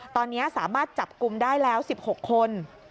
ตอนนี้สามารถจับกลุ่มได้แล้ว๑๖คน